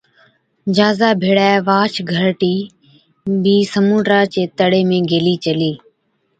جھازا ڀيڙَي واهچ گھَرٽِي بِي سمُنڊا چي تڙي ۾ گيلِي چلِي۔